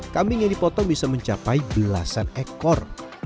kambing yang dipotong bisa mencapai belasan ekor